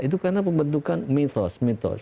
itu karena pembentukan mitos